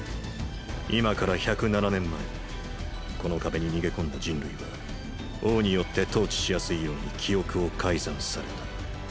今から１０７年前この壁に逃げ込んだ人類は王によって統治しやすいように記憶を改竄された。